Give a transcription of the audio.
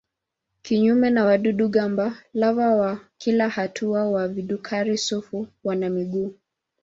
Kinyume na wadudu-gamba lava wa kila hatua wa vidukari-sufu wana miguu.